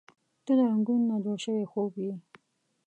• ته د رنګونو نه جوړ شوی خوب یې.